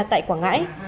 tại quảng ngãi